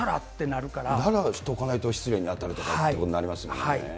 なら、しとかないと失礼にあたるとかってことになりますもんね。